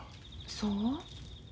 そう？